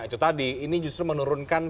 itu tadi ini justru menurunkan